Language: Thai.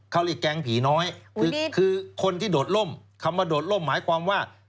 เขาเรียกแก๊งผีน้อยคือคนที่โดดล่มคำว่าโดดล่มหมายความว่า